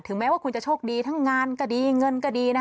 แม้ว่าคุณจะโชคดีทั้งงานก็ดีเงินก็ดีนะ